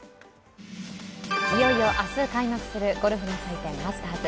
いよいよ明日開幕するゴルフの祭典・マスターズ。